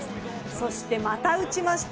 そして、また打ちました。